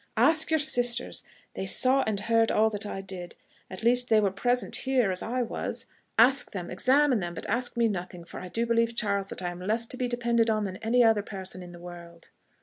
"Ask your sisters they saw and heard all that I did; at least, they were present here, as I was; ask them, examine them, but ask me nothing; for I do believe, Charles, that I am less to be depended on than any other person in the world."